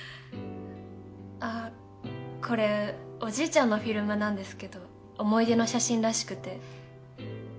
あっこれおじいちゃんのフィルムなんですけど思い出の写真らしくて。